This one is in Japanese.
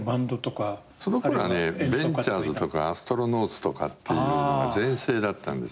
そのころはねベンチャーズとかアストロノウツとかが全盛だったんです。